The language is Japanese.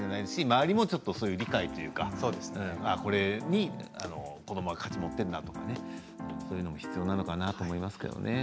周りも理解というかこれに子どもが価値を持っているんだとそういうのも必要なのかなと思いますけどね。